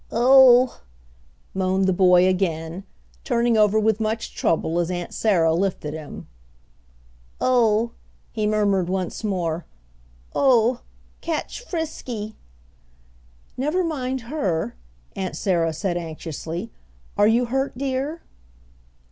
"Oh," moaned the boy again, turning over with much trouble as Aunt Sarah lifted him. "Oh," he murmured once more, "oh catch Frisky!" "Never mind her," Aunt Sarah said, anxiously. "Are you hurt, dear!"